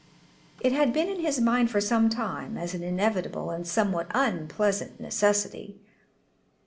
It had been in his mind for some time as an inevitable and somewhat unpleasant necessity.